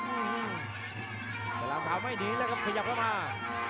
แต่ล้ามขาวไม่หนีแล้วก็ขยับเข้ามา